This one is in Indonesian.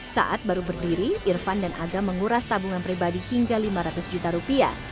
saat baru berdiri irfan dan aga menguras tabungan pribadi hingga lima ratus juta rupiah